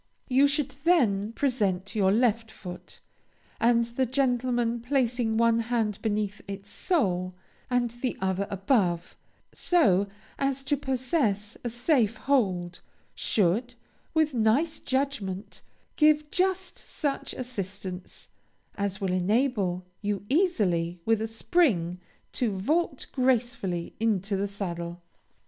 You should then present your left foot, and the gentleman placing one hand beneath its sole, and the other above, so as to possess a safe hold, should, with nice judgment, give just such assistance as will enable you easily, with a spring, to vault gracefully into the saddle.